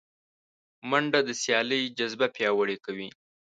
منډه د سیالۍ جذبه پیاوړې کوي